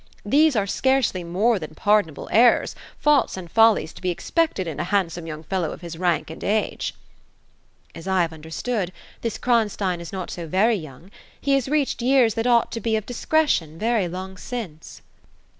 These are scarcely more than par donable errors, — faults and follies to be expected in a handsome young fellow of his rank and age." ^* As I have understood, this Kronstein is not so very young. He has reached years that ought to be of discretion, very long since."